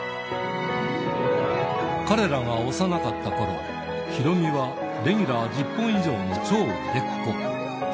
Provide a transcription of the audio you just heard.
彼らが幼かったころ、ヒロミはレギュラー１０本以上の超売れっ子。